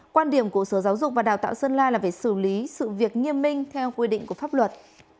quan điểm của sở giáo dục và đào tạo sơn la là phải xử lý sự việc nghiêm minh theo quy định của pháp luật